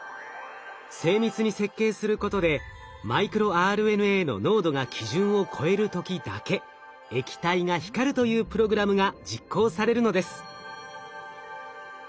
精密に設計することでマイクロＲＮＡの濃度が基準を超える時だけ液体が光るというプログラムが実行されるのです。